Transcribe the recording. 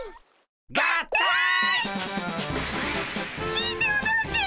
聞いておどろけ！